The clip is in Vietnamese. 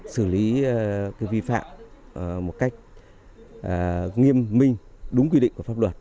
xử lý vi phạm một cách nghiêm minh đúng quy định của pháp luật